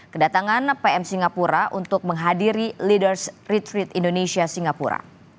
kedatangan pm singapura untuk menghadiri leaders retreet indonesia singapura